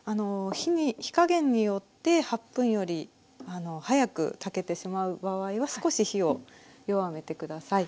火加減によって８分より早く炊けてしまう場合は少し火を弱めて下さい。